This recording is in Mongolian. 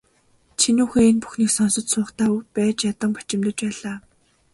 Чинүүхэй энэ бүхнийг сонсож суухдаа байж ядан бачимдаж байлаа.